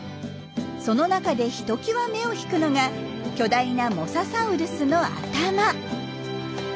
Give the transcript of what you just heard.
その中でひときわ目を引くのが巨大なモササウルスの頭。